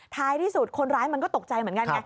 ท้ายที่สุดคนร้ายมันก็ตกใจเหมือนกันไง